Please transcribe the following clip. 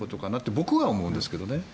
僕は思うんですけどね。